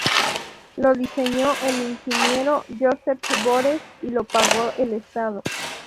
Lo diseñó el ingeniero Josep Bores y lo pagó el Estado.